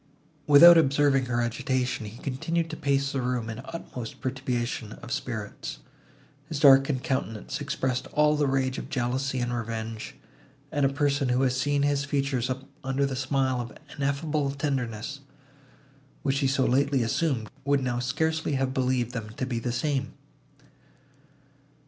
Without observing her agitation, he continued to pace the room in the utmost perturbation of spirits. His darkened countenance expressed all the rage of jealousy and revenge; and a person, who had seen his features under the smile of ineffable tenderness, which he so lately assumed, would now scarcely have believed them to be the same.